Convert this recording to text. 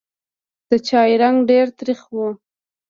د چای رنګ ډېر تریخ و.